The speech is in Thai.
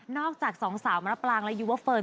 อกจากสองสาวมะปรางและยูเวอร์เฟิร์น